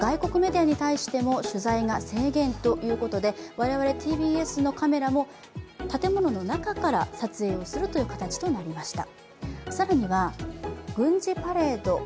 我々ＴＢＳのカメラも建物の中から撮影するという形になりました。